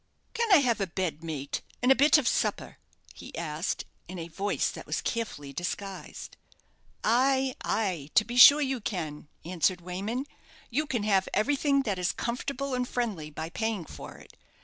"Can I have a bed, mate, and a bit of supper?" he asked, in a voice that was carefully disguised. "Ay, ay, to be sure you can," answered Wayman; "you can have everything that is comfortable and friendly by paying for it.